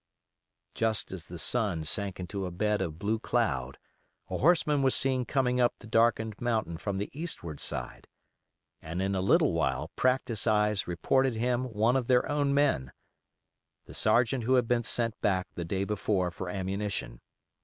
Just as the sun sank into a bed of blue cloud a horseman was seen coming up the darkened mountain from the eastward side, and in a little while practised eyes reported him one of their own men—the sergeant who had been sent back the day before for ammunition.